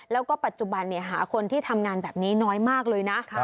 แล้วก็ปัจจุบันหาคนที่ทำงานแบบนี้น้อยมากเลยนะ